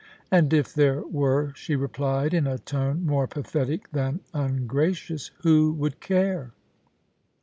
* And if there were,' she replied, in a tone more pathetic than ungracious, * who would care